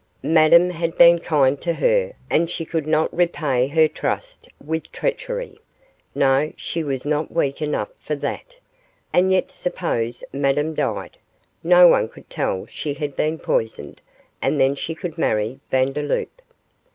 Madame had been kind to her, and she could not repay her trust with treachery. No, she was not weak enough for that. And yet suppose Madame died? no one could tell she had been poisoned, and then she could marry Vandeloup.